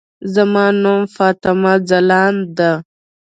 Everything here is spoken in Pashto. زما نوم فاطمه ځلاند ده.